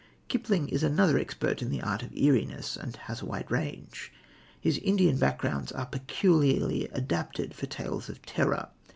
Kipling is another expert in the art of eeriness, and has a wide range. His Indian backgrounds are peculiarly adapted for tales of terror.